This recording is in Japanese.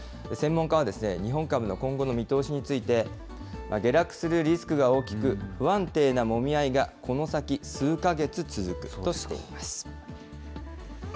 専門家は、日本株の今後の見通しについて、下落するリスクが大きく、不安定なもみ合いが、この先数か月続くとしています。